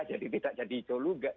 jadi tidak jadi hijau